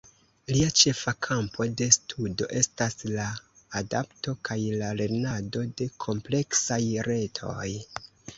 Lia ĉefa kampo de studo estas la adapto kaj la lernado de kompleksaj retoj.